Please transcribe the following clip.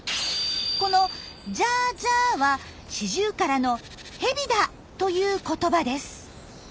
この「ジャージャー」はシジュウカラの「ヘビだ」という言葉です。